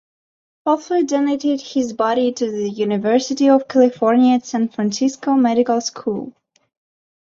Hoefler donated his body to the University of California at San Francisco Medical School.